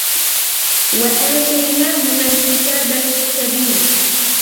وَآتَيْنَاهُمَا الْكِتَابَ الْمُسْتَبِينَ